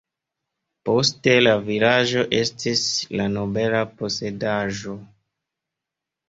Poste la vilaĝo estis la nobela posedaĵo.